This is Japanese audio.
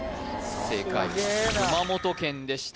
正解は熊本県でした